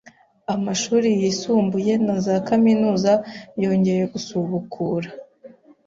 amashuri yisumbuye na za kaminuza yongeye gusubukura